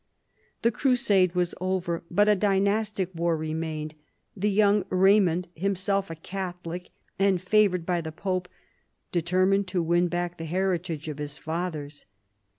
The crusade was over, but a dynastic war remained. The young Raymond, himself a Catholic and favoured by the pope, determined to win back the heritage of his fathers.